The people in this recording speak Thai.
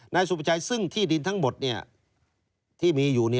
นายสุประชัยซึ่งที่ดินทั้งหมดที่มีอยู่